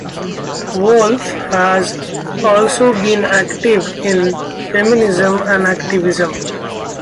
Wolfe has also been active in feminism and activism.